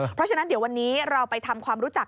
เพราะฉะนั้นเดี๋ยววันนี้เราไปทำความรู้จัก